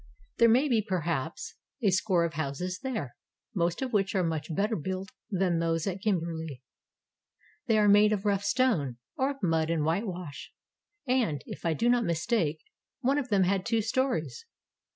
There may be perhaps a score of houses there, most of which are much better built than those at Kim berley. They are made of rough stone, or of mud and whitewash; and, if I do not mistake, one of them had two stories.